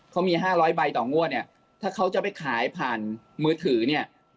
เขามี๕๐๐ใบต่องวดเนี่ยถ้าเขาจะไปขายผ่านมือถือเนี่ย